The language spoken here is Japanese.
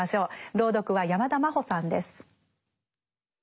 朗読は山田真歩さんです。